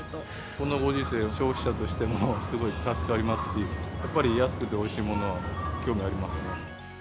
このご時世、消費者としてもすごい助かりますし、やっぱり安くておいしいものは興味ありますね。